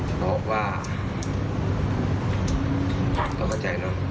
เอาเข้ามาเจอนะ